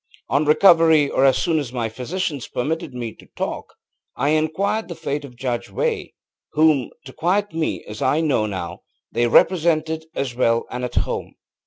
On recovery, or as soon as my physicians permitted me to talk, I inquired the fate of Judge Veigh, whom (to quiet me, as I now know) they represented as well and at home.